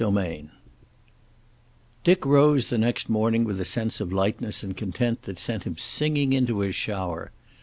VIII Dick rose the next morning with a sense of lightness and content that sent him singing into his shower.